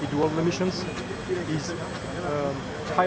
dia melakukan semua misi memanufakur yang tinggi